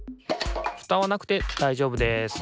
フタはなくてだいじょうぶです。